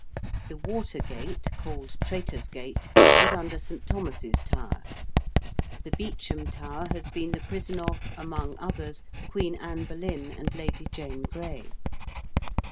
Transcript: The Water Gate called Traitors' Gate is under St. Thomas's Tower. The Beauchamp Tower has been the prison of, among others, Queen Anne Boleyn and Lady Jane Grey.